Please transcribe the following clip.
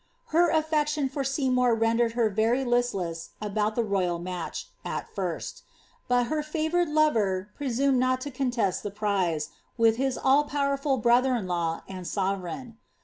Her affection for Seymour rendered her very listless about the royal match, at first;' but her favoured lover presumed not to con test the prize, with his all powerful brother in law and sovereign.